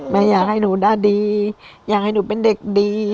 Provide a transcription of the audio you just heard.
อยากให้หนูได้ดีอยากให้หนูเป็นเด็กดี